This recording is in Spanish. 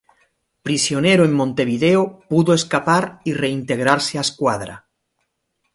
Prisionero en Montevideo pudo escapar y reintegrarse a a escuadra.